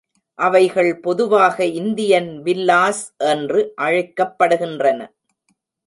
அவைகள் பொதுவாக Indian villas என்று அழைக்கப்படுகின்றன.